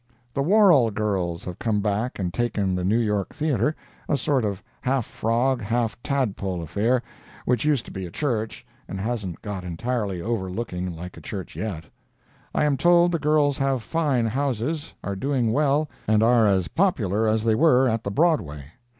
The Worrell girls have come back and taken the New York Theatre, a sort of half frog, half tadpole affair, which used to be a church, and hasn't got entirely over looking like a church yet. I am told the girls have fine houses, are doing well, and are as popular as they were at the Broadway.